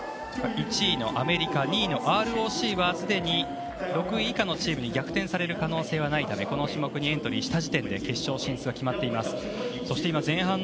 １位のアメリカ、２位のＲＯＣはすでに６位以下のチームに逆転される可能性はないためエントリーした時点で決勝進出が決まっています。